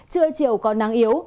trưa chiều còn nắng yếu